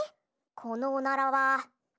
このおならは。